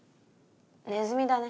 ネズミだね。